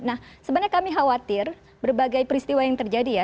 nah sebenarnya kami khawatir berbagai peristiwa yang terjadi ya